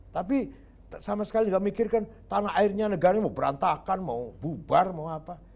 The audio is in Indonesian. tapi sama sekali nggak mikirkan tanah airnya negara mau berantakan mau bubar mau apa